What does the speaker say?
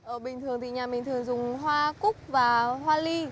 ở bình thường thì nhà mình thường dùng hoa cúc và hoa ly